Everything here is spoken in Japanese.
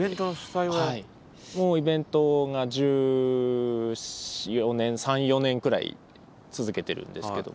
もうイベントが１４年１３１４年くらい続けてるんですけども。